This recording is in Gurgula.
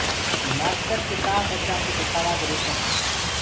مآستر ڪِتآب ٻچآ ڪوُ ديکوآ دي روڪس۔